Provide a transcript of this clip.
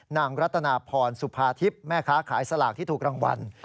นางรัตนาพรสุภาทิพย์แม่ค้าขายสลากที่ถูกรางวัล